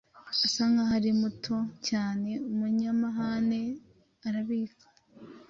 Asa nkaho ari muto cyaneumunyamahane arabika